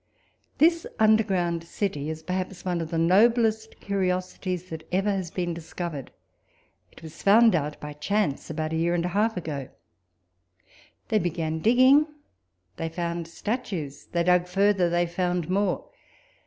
This underground city is perhaps one of the noblest curiosities that ever has been discovered. It was found out by chance, about a year and half ago. They began digging, they found statues : they dug further, they found more.